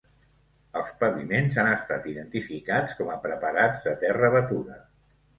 Els paviments han estat identificats com a preparats, de terra batuda.